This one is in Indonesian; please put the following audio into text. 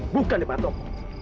bukan di patok